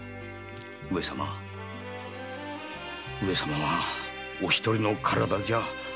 上様はお一人のお体じゃ。